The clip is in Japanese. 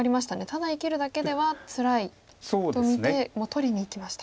ただ生きるだけではつらいと見てもう取りにいきました。